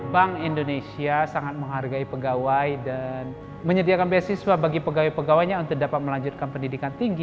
bank indonesia sangat menghargai pegawai dan menyediakan beasiswa bagi pegawai pegawainya untuk dapat melanjutkan pendidikan tinggi